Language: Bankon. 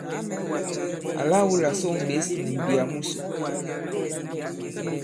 Àla wu là sôŋ ɓěs nì m̀mbiyà musò.